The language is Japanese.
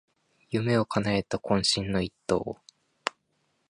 夢をかなえた懇親の一投